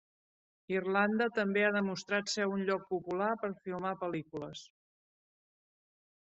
Irlanda també ha demostrat ser un lloc popular per filmar pel·lícules.